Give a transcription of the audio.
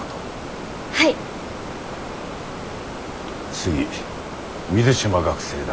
次水島学生だが。